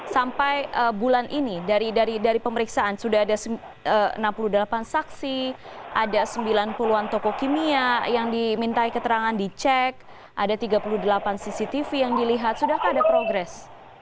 sampai bulan ini dari pemeriksaan sudah ada enam puluh delapan saksi ada sembilan puluh an toko kimia yang dimintai keterangan dicek ada tiga puluh delapan cctv yang dilihat sudahkah ada progres